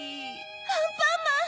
アンパンマン！